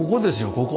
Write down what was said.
ここ。